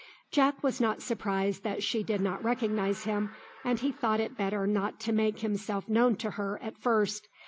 Jack was not surprised that she did not recognise him, and he thought it better not to make himself known to her at first.